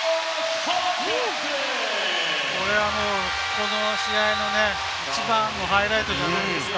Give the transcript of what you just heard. この試合の一番のハイライトじゃないですか。